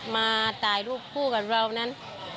มาถ่ายรูปคู่กับเรานั้น